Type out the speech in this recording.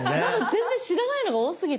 全然知らないのが多すぎて。